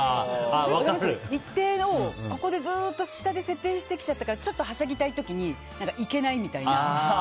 一定の、ずっと下で設定してきちゃったからちょっとはしゃぎたい時にいけないみたいな。